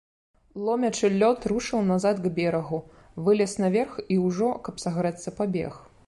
Ломячы лёд, рушыў назад к берагу, вылез наверх і ўжо, каб сагрэцца, пабег.